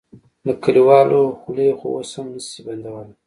د کليوالو خولې خو اوس هم نه شې بندولی.